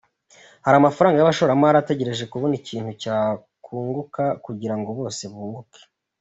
Hari amafaranga y’abashoramari ategereje kubona ikintu cyakunguka kugirango bose bunguke.